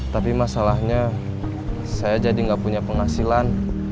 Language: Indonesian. tapi masalahnya saya jadi nggak punya penghasilan